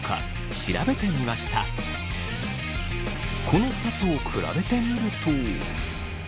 この２つを比べてみると。